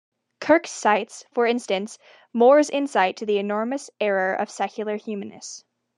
Kirk cites, for instance, More's insight into the "enormous error" of secular humanists.